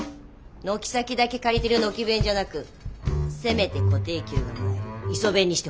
軒先だけ借りてるノキ弁じゃなくせめて固定給をもらえるイソ弁にしてほしい。